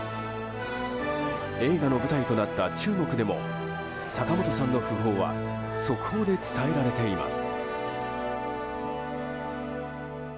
映画の舞台となった中国でも坂本さんの訃報は速報で伝えられています。